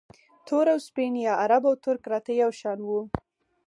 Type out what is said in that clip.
تور او سپین یا عرب او ترک راته یو شان وو